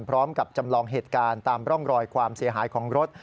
พร้อมกับจำลองเหตุการณ์ตามร่องรอยความเสียหายของรถ